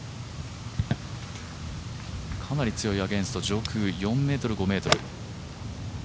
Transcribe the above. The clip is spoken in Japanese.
かなり強いアゲンスト上空４ｍ、５ｍ。